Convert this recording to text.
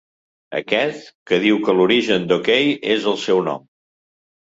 Aquest, que diu que l'origen d'OK és el seu nom.